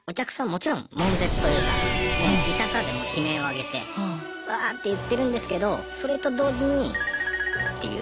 もちろんもん絶というか痛さでもう悲鳴を上げてわあって言ってるんですけどそれと同時にっていう。